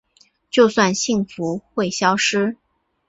就算幸福会消失